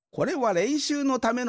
れんしゅうのための。